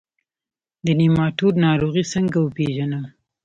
د نیماټوډ ناروغي څنګه وپیژنم؟